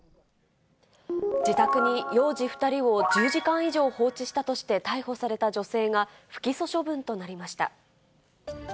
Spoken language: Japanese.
自宅に幼児２人を１０時間以上放置したとして、逮捕された女性が不起訴処分となりました。